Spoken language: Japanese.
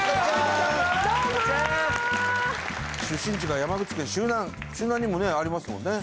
出身地が山口県周南周南にもねありますもんね